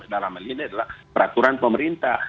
dalam hal ini adalah peraturan pemerintah